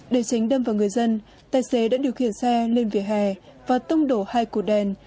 để tránh đâm vào người dân tài xế đã điều khiển xe lên vỉa hè và tông đổ hai cột đèn